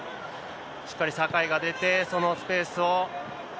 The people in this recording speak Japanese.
しっかり酒井が出て、そのスペースを。